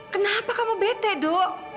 kenapa kamu bete do